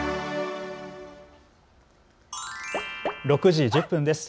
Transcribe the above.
６時１０分です。